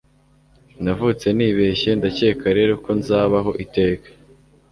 navutse nibeshye, ndakeka rero ko nzabaho iteka